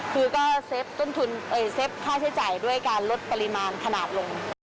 คือก็เซฟค่าใช้จ่ายด้วยการลดปริมาณขนาดลง